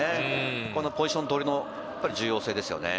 このポジション取りの重要性ですね。